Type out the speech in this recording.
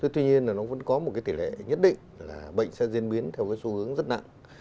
tuy nhiên là nó vẫn có một cái tỷ lệ nhất định là bệnh sẽ diễn biến theo cái xu hướng rất nặng